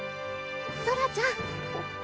ソラちゃん